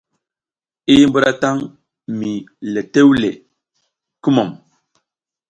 I mbuɗatan mi le tewle, kumum !